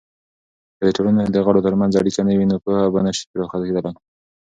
که د ټولني دغړو ترمنځ اړیکې نه وي، نو پوهه به نسي پراخه کیدلی.